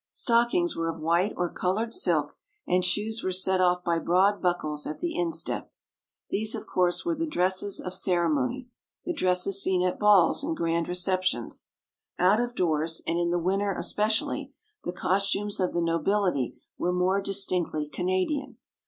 Stockings were of white or coloured silk, and shoes were set off by broad buckles at the instep. These, of course, were the dresses of ceremony, the dresses seen at balls and grand receptions. Out of doors, and in the winter especially, the costumes of the nobility were more distinctly Canadian.